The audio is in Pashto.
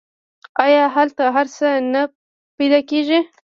آیا هلته هر څه نه پیدا کیږي؟